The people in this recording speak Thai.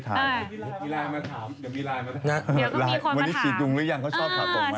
แต่หนูก็ฉีดตรงทั้งวัน